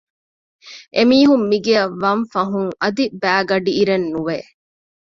އެ މީހުން މިގެއަށް ވަންފަހުން އަދި ބައިގަޑީއިރެއް ނުވެ